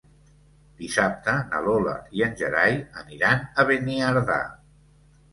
Dissabte na Lola i en Gerai aniran a Beniardà.